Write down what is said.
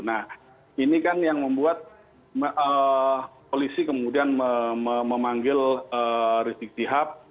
nah ini kan yang membuat polisi kemudian memanggil rizik sihab